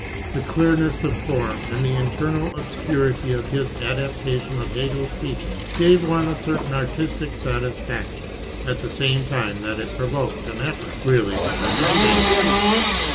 The clearness of form and the internal obscurity of his adaptation of Hegel's Teachings, gave one a certain artistic satisfaction, at the same time that it provoked an effort really to under stand.